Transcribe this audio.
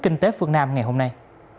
kinh tế phương nam ngày hôm nay